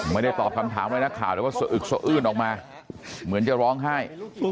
ไม่ได้ตอบคำถามอะไรนักข่าวแต่ว่าสะอึกสะอื้นออกมาเหมือนจะร้องไห้